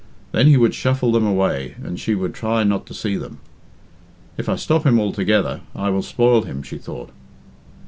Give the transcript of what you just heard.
Then he would shuffle them away and she would try not to see them. "If I stop him altogether, I will spoil him," she thought.